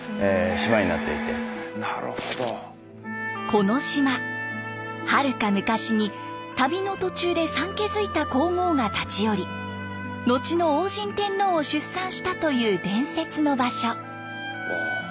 この島はるか昔に旅の途中で産気づいた皇后が立ち寄り後の応神天皇を出産したという伝説の場所。